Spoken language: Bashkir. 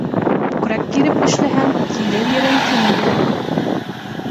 Күкрәк киреп эшләһәң, килер ерең киң булыр.